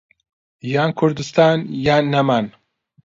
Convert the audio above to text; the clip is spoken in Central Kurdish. یان كوردستان یان نەمان